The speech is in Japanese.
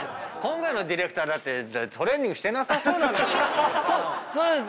今回のディレクターだってトレーニングしてなさそう。